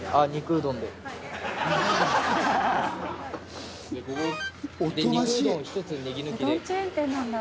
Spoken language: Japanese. うどんチェーン店なんだ。